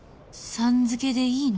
「さん」付けでいいの？